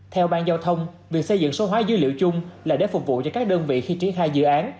theo bang giao thông việc xây dựng số hóa dữ liệu chung là để phục vụ cho các đơn vị khi triển khai dự án